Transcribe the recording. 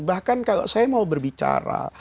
bahkan kalau saya mau berbicara